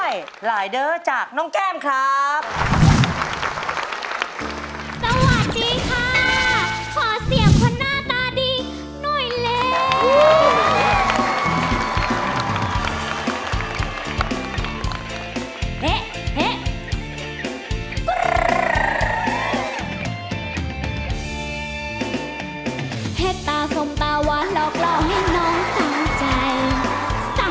อยากให้น้องแต่งใจสั่งมาเป็นผู้ชาย